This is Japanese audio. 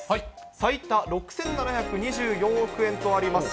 最多６７２４億円とあります。